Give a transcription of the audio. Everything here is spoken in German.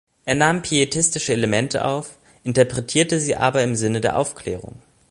Er nahm pietistische Elemente auf, interpretierte sie aber im Sinne der Aufklärung.